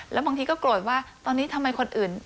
แล้วบางทีก็โกรธว่าตอนนี้ทำไมคนอื่น